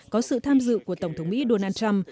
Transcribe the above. có sự tham dự của tổng thống mỹ donald trump